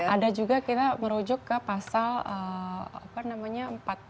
ada juga kita merujuk ke pasal apa namanya empat puluh satu